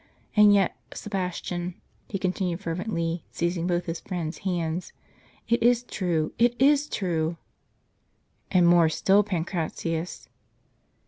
And yet, Sebastian," he continued fervently, seizing both his friend's hands, " it is true ; it is true !"" And more still, Pancratius."